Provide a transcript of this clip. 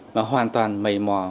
mà hoàn toàn mầy mò